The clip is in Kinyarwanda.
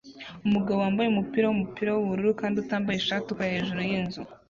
Umugabo wambaye umupira wumupira wubururu kandi utambaye ishati ukora hejuru yinzu